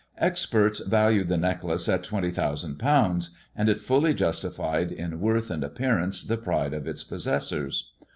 Experts valued the necklace at twenty thousand pounds, and it fully justified in worth and appearance the pride of its possessors.